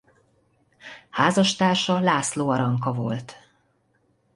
Házastársa László Aranka volt.